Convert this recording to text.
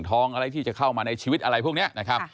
ท้องอะไรที่จะเข้ามาในชีวิตพวกนี้